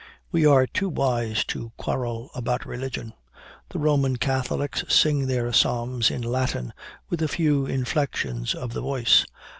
"We are too wise to quarrel about religion. The Roman Catholics sing their psalms in Latin, with a few inflections of the voice.